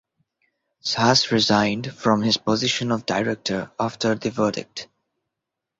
Sas resigned from his position of director after the verdict.